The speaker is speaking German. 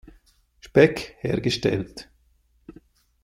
Speck hergestellt.